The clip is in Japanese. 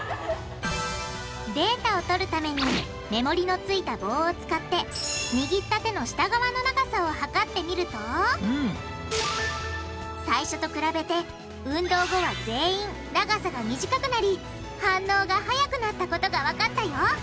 データを取るためにメモリのついた棒を使って握った手の下側の長さを測ってみると最初と比べて運動後は全員長さが短くなり反応が早くなったことがわかったよ！